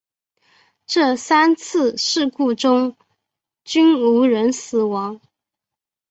这三次事故中均无人死亡。